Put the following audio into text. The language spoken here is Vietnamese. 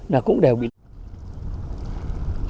là cũng đều bị nứt